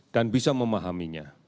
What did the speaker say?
dan bisa memahaminya